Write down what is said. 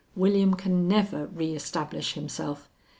William can never re establish himself.